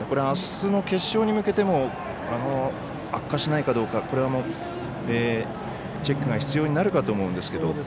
あすの決勝に向けても悪化しないかどうかチェックが必要になるかと思うんですけど。